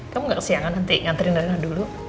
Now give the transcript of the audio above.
kamu gak kesiangan nanti nganterin reina dulu